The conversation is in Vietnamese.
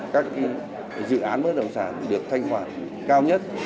các dự án bất động sản được thanh khoản cao nhất